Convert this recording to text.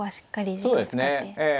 そうですねええ。